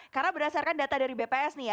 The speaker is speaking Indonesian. karena berdasarkan data dari bps nih ya